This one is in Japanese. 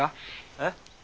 えっ？